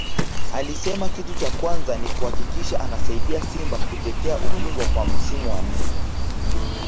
alisema kitu cha kwanza ni kuhakikisha anaisaidia Simba kutetea ubingwa kwa msimu wa nne